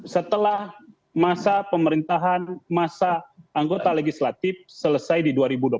setelah masa pemerintahan masa anggota legislatif selesai di dua ribu dua puluh